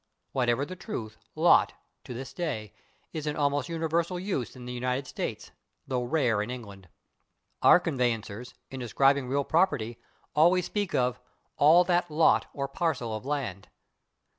Whatever the truth, /lot/, [Pg052] to this day, is in almost universal use in the United States, though rare in England. Our conveyancers, in describing real property, always speak of "all that /lot/ or /parcel/ of land."